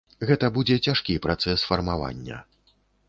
Гэта будзе цяжкі працэс фармавання.